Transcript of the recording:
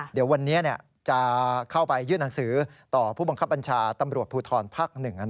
เดี๋ยววันนี้จะเข้าไปยื่นหนังสือต่อผู้บังคับบัญชาตำรวจภูทรภาค๑